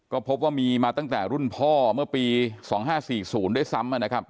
ก็พบว่ามีมาตั้งแต่รุ่นพ่อเมื่อปี๒๕๔๐ด้วยซ้ำนะครับ